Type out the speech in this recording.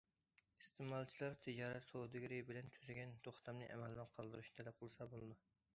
ئىستېمالچىلار تىجارەت سودىگىرى بىلەن تۈزگەن توختامنى ئەمەلدىن قالدۇرۇشنى تەلەپ قىلسا بولىدۇ.